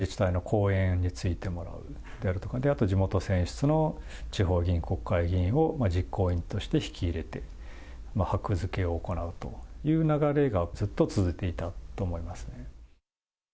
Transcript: そこの地元で開くイベントに関しては、そこの自治体の後援についてもらうだとか、あと地元選出の地方議員、国会議員を実行委員として引き入れて、はく付けを行うという流れがずっと続いていたと思いますね。